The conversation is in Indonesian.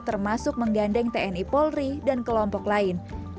termasuk menggandeng tni polri dan kelompok lain